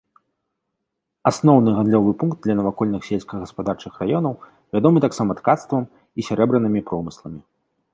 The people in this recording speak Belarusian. Асноўны гандлёвы пункт для навакольных сельскагаспадарчых раёнаў, вядомы таксама ткацтвам і сярэбранымі промысламі.